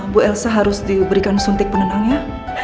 bu elsa harus diberikan suntik penenang ya